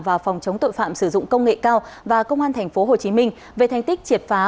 và phòng chống tội phạm sử dụng công nghệ cao và công an tp hcm về thành tích triệt phá